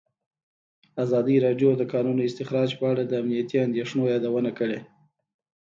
ازادي راډیو د د کانونو استخراج په اړه د امنیتي اندېښنو یادونه کړې.